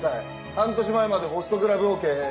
半年前までホストクラブを経営。